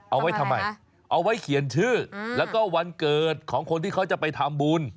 เอาไว้ทำไมเอาไว้เขียนชื่อแล้วก็วันเกิดของคนที่เขาจะไปทำบุญ